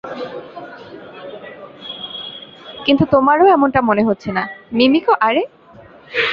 কিন্তু তোমারও এমনটা মনে হচ্ছে না, মিমিকো আরে!